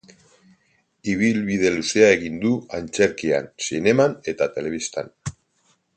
Ibilbide luzea egin du antzerkian, zineman eta telebistan.